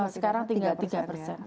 sekarang tinggal tiga persen